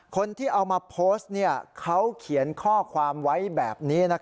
คนที่เอามาโพสต์เขาเขียนข้อความไว้แบบนี้